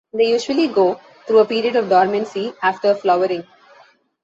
They usually go through a period of dormancy after flowering.